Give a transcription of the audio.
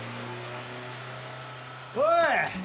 おい！